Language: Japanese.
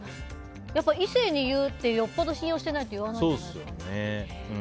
異性に言うってよっぽど信用してないと言わないと思う。